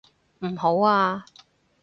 唔好啊！